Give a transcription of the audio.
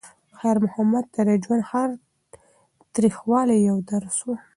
خیر محمد ته د ژوند هر تریخوالی یو درس و.